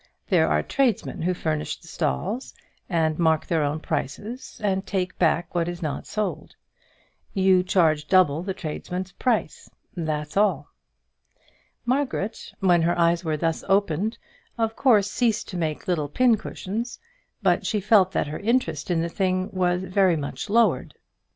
There are tradesmen who furnish the stalls, and mark their own prices, and take back what is not sold. You charge double the tradesman's price, that's all." Margaret, when her eyes were thus opened, of course ceased to make little pincushions, but she felt that her interest in the thing was very much lowered.